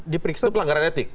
di periksa itu pelanggaran etik